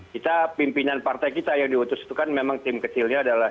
kita pimpinan partai kita yang diutus itu kan memang tim kecilnya adalah